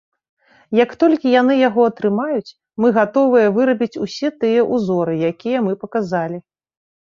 Як толькі яны яго атрымаюць, мы гатовыя вырабіць усе тыя ўзоры, якія мы паказалі.